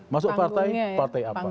masuk partai apa